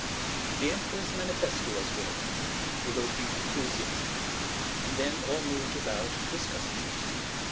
The Emperor's manifesto was read, evoking enthusiasm, and then all moved about discussing it.